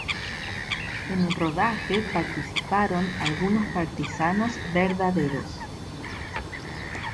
En el rodaje participaron algunos partisanos verdaderos.